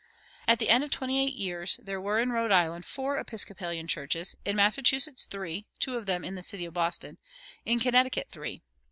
At the end of twenty eight years there were in Rhode Island four Episcopalian churches; in Massachusetts, three, two of them in the city of Boston; in Connecticut, three.